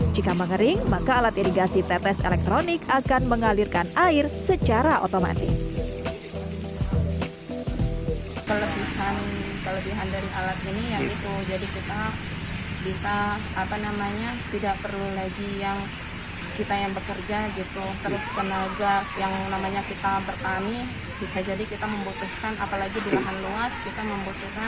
jika mengering maka alat irigasi tetes elektronik akan mengalirkan air secara otomatis